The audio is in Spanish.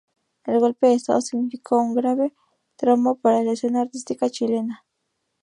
El golpe de Estado significó un grave trauma para la escena artística chilena.